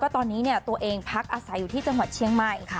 ตอนนี้ตัวเองพักอาศัยอยู่ที่จังหวัดเชียงใหม่